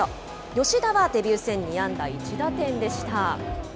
吉田はデビュー戦２安打１打点でした。